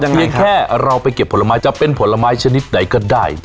เลี้ยงแค่เราไปเก็บผลไม้จะเป็นผลไม้ชนิดไหนก็ได้